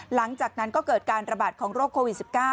หลังจากนั้นก็เกิดการระบาดของโรคโควิด๑๙